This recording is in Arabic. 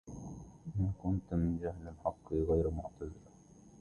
إن كنت من جهل حقي غير معتذر